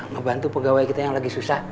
ngebantu pegawai kita yang lagi susah